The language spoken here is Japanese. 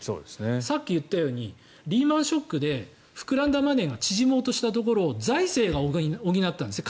さっき言ったようにリーマン・ショックで膨らんだマネーが縮もうとしたところを財政が補ったんですね